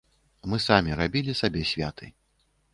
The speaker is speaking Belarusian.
Мы самі рабілі сабе святы.